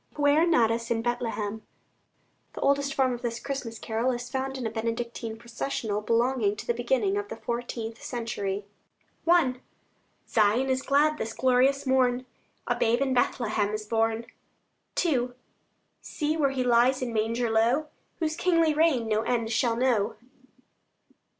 PUER NATUS IN BETHLEHEM The oldest form of this Christmas carol is found in a Benedictine Processional belonging to the beginning of the fourteenth century. I Zion is glad this glorious morn: A babe in Bethlehem is born. II See where He lies in manger low, Whose kingly reign no end shall know.